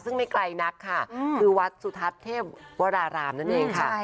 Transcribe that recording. ซึ่งไม่ไกลนักค่ะคือวัดสุทัศน์เทพวรารามนั่นเองค่ะ